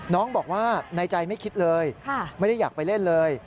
น้องบอกว่าในใจไม่คิดเลยไม่ได้อยากไปเล่นเลย